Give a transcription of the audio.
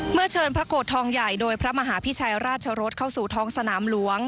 เชิญพระโกรธทองใหญ่โดยพระมหาพิชัยราชรสเข้าสู่ท้องสนามหลวง